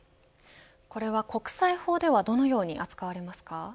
これは国際法ではどのように扱われますか。